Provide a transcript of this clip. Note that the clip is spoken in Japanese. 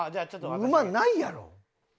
馬ないやろ！